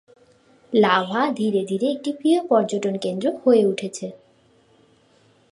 Lava ধীরে ধীরে একটি প্রিয় পর্যটন কেন্দ্র হয়ে উঠেছে।